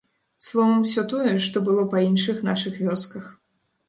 Словам, усё тое, што было па іншых нашых вёсках.